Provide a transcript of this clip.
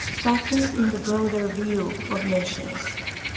Factors in the broader view of missions.